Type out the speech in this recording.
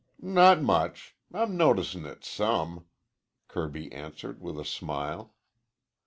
"Not much. I'm noticin' it some," Kirby answered with a smile.